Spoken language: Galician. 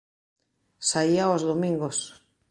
Saía aos domingos.